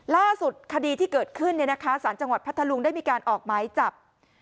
ล่าสุดคดีที่เกิดขึ้นสารจังหวัดพัทธลุงได้มีการออกหมายจับ